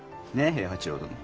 平八郎殿。